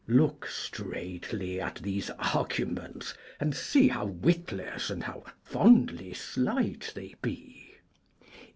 Look straitly at these arguments and see How witless and how fondly slight they be.